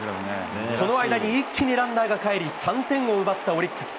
この間に一気にランナーがかえり、３点を奪ったオリックス。